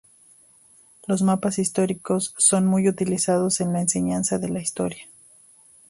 Los mapas históricos son muy utilizados en la enseñanza de la historia.